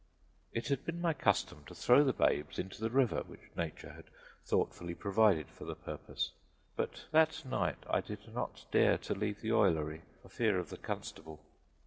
It had been my custom to throw the babes into the river which nature had thoughtfully provided for the purpose, but that night I did not dare to leave the oilery for fear of the constable.